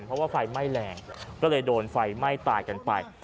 เพราะว่าไฟไหม้แรงก็เลยโดนไฟไหม้ตายกันไป